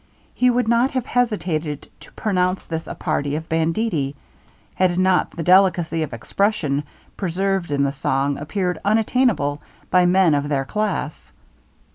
He would not have hesitated to pronounce this a party of banditti, had not the delicacy of expression preserved in the song appeared unattainable by men of their class.